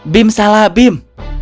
bim salah bim